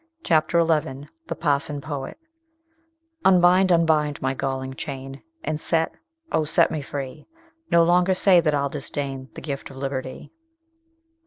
CHAPTER XI THE PARSON POET "Unbind, unbind my galling chain, And set, oh! set me free: No longer say that I'll disdain The gift of liberty."